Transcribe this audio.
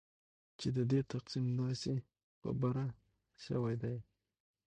چې ددې تقسیم داسي په بره سویدي